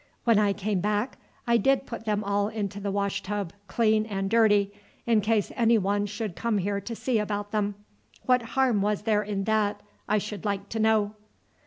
When I came back I did put them all into the wash tub, clean and dirty, in case any one should come here to see about them. What harm was there in that, I should like to know?"